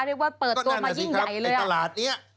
เรียกว่าเปิดตัวมายิ่งใหญ่เลย